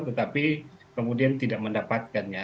tetapi kemudian tidak mendapatkannya